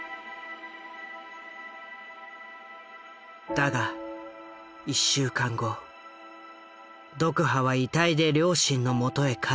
だが１週間後ドクハは遺体で両親のもとへ帰ってきた。